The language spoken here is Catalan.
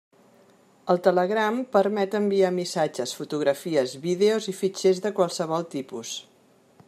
El Telegram permet enviar missatges, fotografies, vídeos i fitxers de qualsevol tipus.